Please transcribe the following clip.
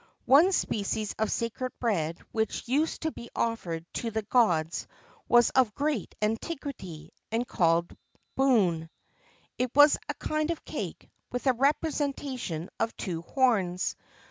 One species of sacred bread which used to be offered to the gods was of great antiquity, and called Boun." It was a kind of cake, with a representation of two horns.